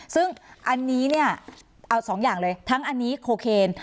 ซึ่งอันนี้เนี่ยเอาสองอย่างเลยทั้งอันนี้โคเคน